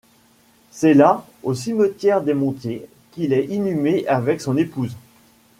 C'est là, au cimetière des Montiers, qu'il est inhumé avec son épouse.